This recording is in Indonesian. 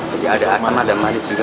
jadi ada asam dan manis juga